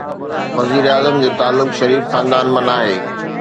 وزيراعظم جو تعلق شريف خاندان مان ناهي.